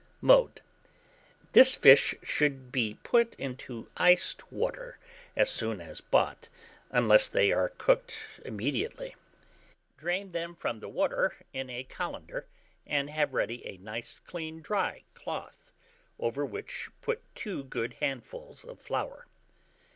Mode. This fish should be put into iced water as soon as bought, unless they are cooked immediately. Drain them from the water in a colander, and have ready a nice clean dry cloth, over which put 2 good handfuls of flour.